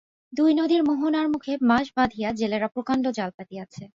দুই নদীর মোহানার মুখে বাঁশ বাঁধিয়া জেলেরা প্রকাণ্ড জাল পাতিয়াছে।